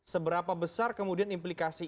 seberapa besar kemudian implikasi